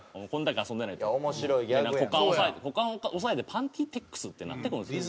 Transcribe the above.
股間押さえてパンティーテックス？ってなってくるんですよ。